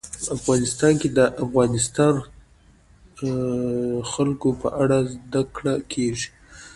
افغانستان کې د د افغانستان جلکو په اړه زده کړه کېږي.